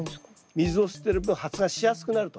水を吸ってる分発芽しやすくなると。